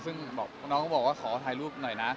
ซึ่งบอกว่าขอช่วยถ่ายรูปหน่อยนะ